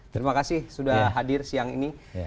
terima kasih sudah hadir siang ini